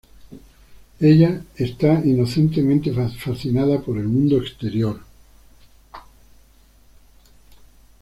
Ella está inocentemente fascinada por el mundo exterior.